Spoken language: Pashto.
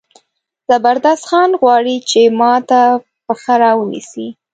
زبردست خان غواړي چې ما ته پښه را ونیسي.